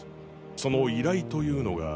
その依頼というのが。